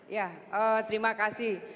ya terima kasih